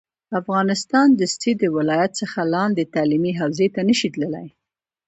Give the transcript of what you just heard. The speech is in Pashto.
افغانستان دستي د ولایت څخه لاندې تعلیمي حوزې ته نه شي تللی